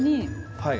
はい。